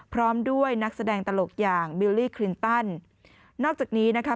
พร้อมด้วยนักแสดงตลกอย่างบิลลี่คลินตันนอกจากนี้นะคะ